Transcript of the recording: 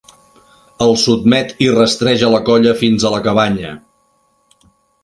Els sotmet i rastreja la colla fins a la cabanya.